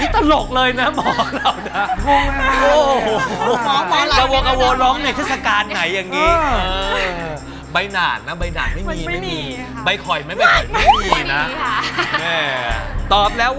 ต้นหม่อนค่ะ